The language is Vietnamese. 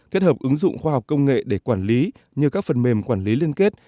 kết hợp ứng dụng khoa học công nghệ để quản lý như các phần mềm quản lý liên kết